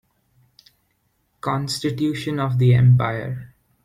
Constitution of the empire.